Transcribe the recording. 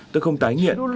tôi không tái nghiện